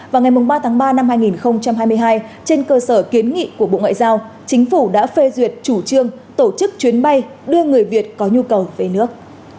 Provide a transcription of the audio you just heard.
vào ngày ba tháng ba năm hai nghìn hai mươi hai trên cơ sở kiến nghị của bộ ngoại giao chính phủ đã phê duyệt chủ trương tổ chức chuyến bay đưa người việt có nhu cầu về nước